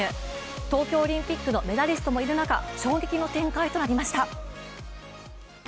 東京オリンピックのメダリストもいる中、衝撃の展開となりました。